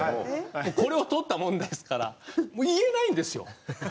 これを撮ったもんですからもう言えないんですよ。